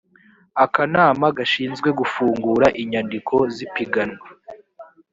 akanama gashinzwe gufungura inyandiko z ipiganwa